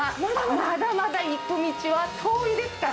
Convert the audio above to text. まだまだ行く道は遠いですから。